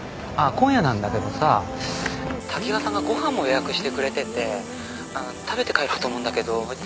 今夜なんだけどさ滝川さんがご飯も予約してくれてて食べて帰ろうと思うんだけど。